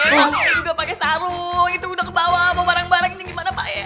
maksudnya udah pake sarung itu udah kebawa bawa barang barang ini gimana pak eh